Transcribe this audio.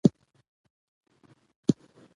زه د خپلي ټولني د پرمختګ لپاره کار کوم.